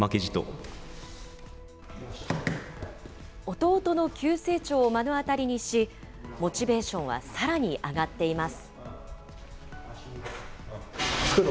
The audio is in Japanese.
弟の急成長を目の当たりにし、モチベーションはさらに上がっています。